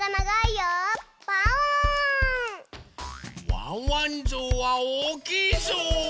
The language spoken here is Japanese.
ワンワンぞうはおおきいぞう！